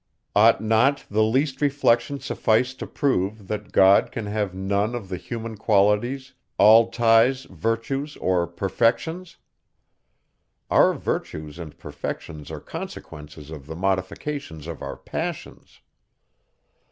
Ought not the least reflection suffice to prove, that God can have none of the human qualities, all ties, virtues, or perfections? Our virtues and perfections are consequences of the modifications of our passions.